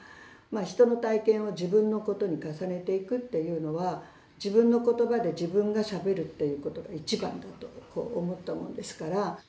人の体験を自分のことに重ねていくっていうのは自分の言葉で自分がしゃべるっていうことが一番だとこう思ったものですから。